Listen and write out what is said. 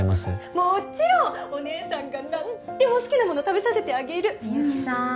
もちろんおねえさんが何でも好きなもの食べさせてあげる深雪さん